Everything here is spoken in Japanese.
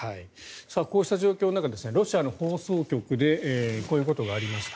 こうした状況の中ロシアの放送局でこういうことがありました。